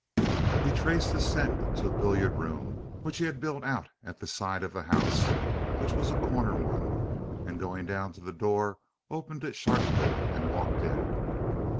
He traced the scent to a billiard room which he had built out at the side of the house, which was a corner one, and going down to the door opened it sharply and walked in.